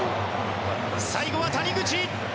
最後は谷口。